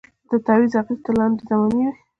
د تعویذ اغېز تر لنډي زمانې وي